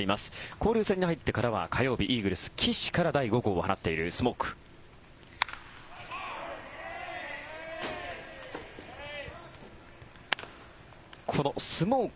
交流戦に入ってからは火曜日、イーグルスの岸から第５号を放っているスモーク。